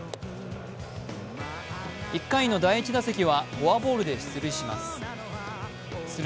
１回の第１打席はフォアボールで出塁します。